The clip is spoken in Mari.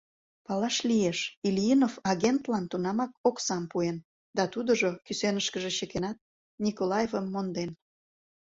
Палаш лиеш: Ильинов агентлан тунамак оксам пуэн; да тудыжо, кӱсенышкыже чыкенат, Николаевым монден.